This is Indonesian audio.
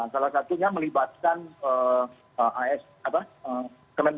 salah satunya melibatkan kementerian pertahanan